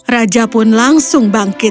raja pun langsung bangkit